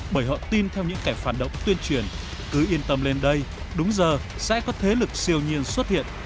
bởi họ tin theo những kẻ phản động tuyên truyền cứ yên tâm lên đây đúng giờ sẽ có thế lực siêu nhiên xuất hiện